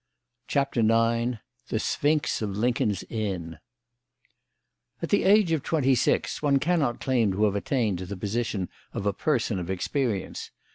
CHAPTER IX THE SPHINX OF LINCOLN'S INN At the age of twenty six one cannot claim to have attained to the position of a person of experience.